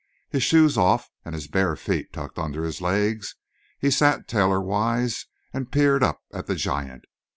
His shoes off, and his bare feet tucked under his legs, he sat tailorwise and peered up at the giant.